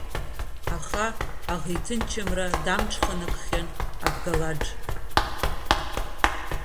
Аха аӷеҭынҷымра дамҿханакхьан Абгалаџ.